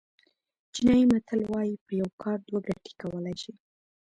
چینایي متل وایي په یو کار دوه ګټې کولای شي.